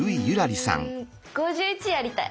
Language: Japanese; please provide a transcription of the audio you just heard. うん「５１」やりたい。